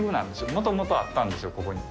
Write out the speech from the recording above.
もともとあったんですよ、ここに。